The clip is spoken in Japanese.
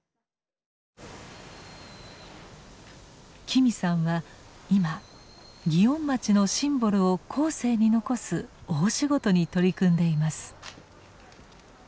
紀美さんは今祇園町のシンボルを後世に残す大仕事に取り組んでいます。